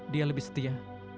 dia lebih setia